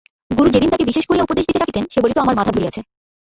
গুরু যেদিন তাকে বিশেষ করিয়া উপদেশ দিতে ডাকিতেন সে বলিত, আমার মাথা ধরিয়াছে।